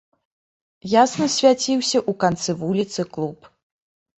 Ясна свяціўся ў канцы вуліцы клуб.